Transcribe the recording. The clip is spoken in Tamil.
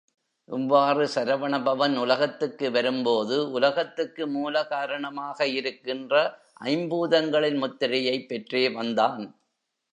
இவ்வாறு சரவணபவன் உலகத்துக்கு வரும்போது உலகத்துக்கு மூலகாரணமாக இருக்கின்ற ஐம்பூதங்களின் முத்திரையைப் பெற்றே வந்தான்.